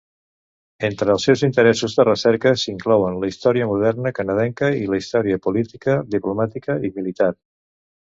Entre els seus interessos de recerca s'inclouen la història moderna canadenca i la història política, diplomàtica i militar.